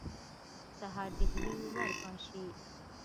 سهار د هیلې ور پاشي.